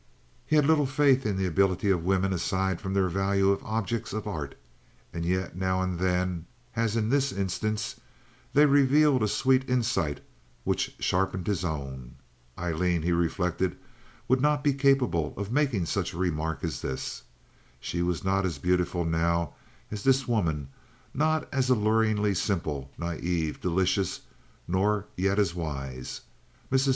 He had little faith in the ability of women aside from their value as objects of art; and yet now and then, as in this instance, they revealed a sweet insight which sharpened his own. Aileen, he reflected, would not be capable of making a remark such as this. She was not as beautiful now as this woman—not as alluringly simple, naive, delicious, nor yet as wise. Mrs.